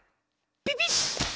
ピピッ！